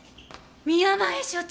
宮前所長